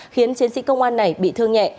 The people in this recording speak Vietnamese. khiến chiến sĩ công an này bị thương nhẹ